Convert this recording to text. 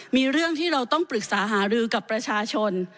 มีเรื่องที่เราต้องปรึกษาหารือกับประชาชน